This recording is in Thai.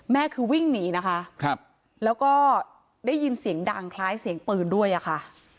คือวิ่งหนีนะคะแล้วก็ได้ยินเสียงดังคล้ายเสียงปืนด้วยอะค่ะ